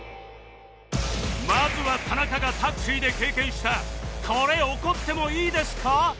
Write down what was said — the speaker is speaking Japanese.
まずは田中がタクシーで経験したこれ怒ってもいいですか？